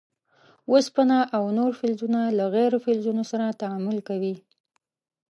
اوسپنه او نور فلزونه له غیر فلزونو سره تعامل کوي.